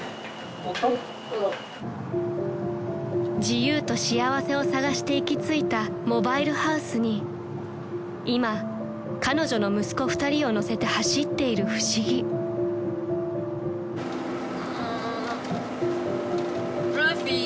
［自由と幸せを探して行き着いたモバイルハウスに今彼女の息子２人を乗せて走っている不思議］んルフィ。